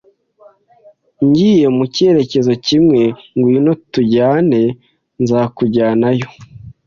Ngiye mu cyerekezo kimwe. Ngwino tujyane. Nzakujyanayo